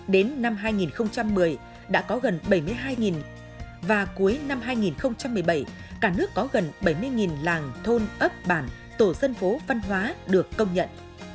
đến năm hai nghìn một mươi đã có gần bảy mươi hai và cuối năm hai nghìn một mươi bảy cả nước có gần bảy mươi làng thôn ấp bản tổ dân phố văn hóa được công nhận